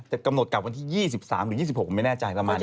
กำหนดกลับวันที่๒๓หรือ๒๖ผมไม่แน่ใจประมาณนี้